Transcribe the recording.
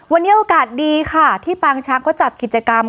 วันนี้โอกาสดีค่ะที่ปางช้างก็จัดกิจกรรม